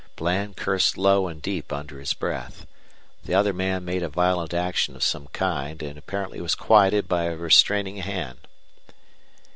Bland cursed low and deep under his breath. The other man made a violent action of some kind and apparently was quieted by a restraining hand.